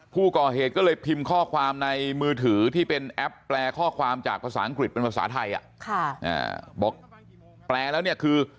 ผู้ก่อเหตุก็เลยพิมพ์ข้อความในมือถือที่เป็นแอปแปลข้อความจากภาษาอังกฤษเป็นภาษาไทยบอกแปลแล้วเนี่ยคือ